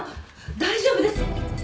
大丈夫で。